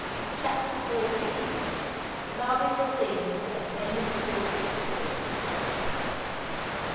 CHAPTER XIV ' LOVE IS A THING, AS ANY SPIRIT, FREE.'